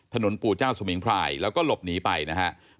ปู่เจ้าสมิงพรายแล้วก็หลบหนีไปนะฮะ